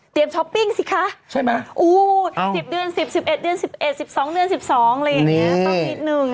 เตรียมช้อปปิ้งสิคะอู้ว๑๐เดือน๑๐๑๑เดือน๑๑๑๒เดือน๑๒เลยต้องนิดนึง